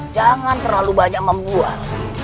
jangan terlalu banyak membuah